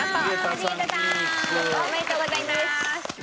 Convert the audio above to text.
井桁さんおめでとうございます。